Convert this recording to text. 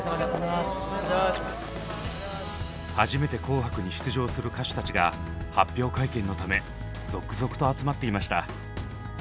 初めて「紅白」に出場する歌手たちが発表会見のため続々と集まっていました。